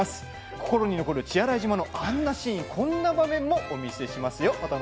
心に残る血洗島のあんなシーンこんな場面もお見せしますよ。